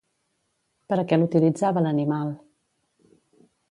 Per a què l'utilitzava l'animal?